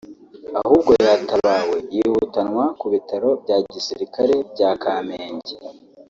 ahubwo yatabawe yihutanwa ku bitaro bya gisirikare bya Kamenge